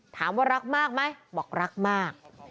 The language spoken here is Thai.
ถามว่ารักมากไหมบอกรักมาก